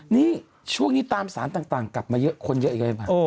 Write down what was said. นี่ช่วงนี้ตามสารต่างกลับมาคนเยอะอีกไหม